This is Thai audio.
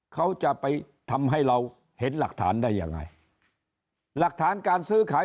เขาจะไปทำให้เราเห็นหลักฐานได้ยังไงหลักฐานการซื้อขาย